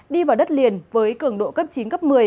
đi vào đất liền với cường độ cấp chín cấp một mươi